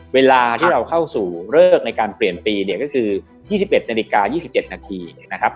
เวลาที่เราเข้าสู่เลิกในการเปลี่ยนปีเนี่ยก็คือ๒๑นาฬิกา๒๗นาทีนะครับ